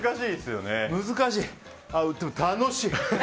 難しい、でも楽しい。